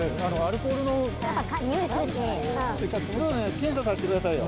検査させてくださいよ。